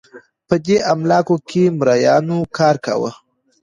په دې املاکو کې مریانو کار کاوه